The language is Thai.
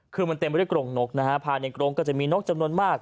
คือมันเต็มไปด้วยกรงนกนะฮะภายในกรงก็จะมีนกจำนวนมาก